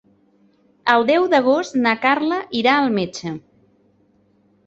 El deu d'agost na Carla irà al metge.